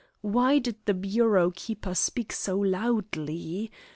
Why did the bureau keeper speak so loudly?